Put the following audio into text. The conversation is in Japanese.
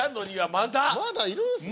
まだいるんすね。